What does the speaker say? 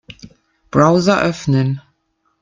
Browser öffnen.